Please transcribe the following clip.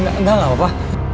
enggak enggak enggak apa apa